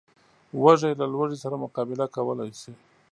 وزې له لوږې سره مقابله کولی شي